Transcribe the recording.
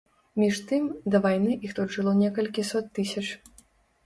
Між тым, да вайны іх тут жыло некалькі сот тысяч.